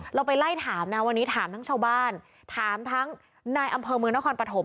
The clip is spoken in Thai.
เราไปไล่ถามนะวันนี้ถามทั้งชาวบ้านถามทั้งนายอำเภอเมืองนครปฐม